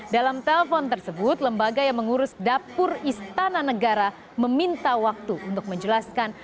dalam telpon tersebut lembaga yang mengurus dapur istana negara meminta waktu untuk menjelaskan